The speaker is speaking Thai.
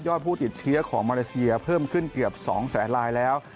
ผู้ติดเชื้อของมาเลเซียเพิ่มขึ้นเกือบ๒แสนลายแล้ว